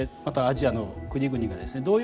またアジアの国々がですね